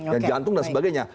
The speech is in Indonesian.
yang jantung dan sebagainya